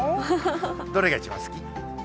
どれが一番好き？